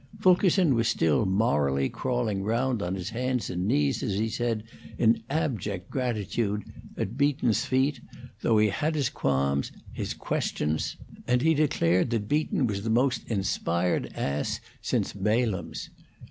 Fulkerson was still morally crawling round on his hands and knees, as he said, in abject gratitude at Beaton's feet, though he had his qualms, his questions; and he declared that Beaton was the most inspired ass since Balaam's.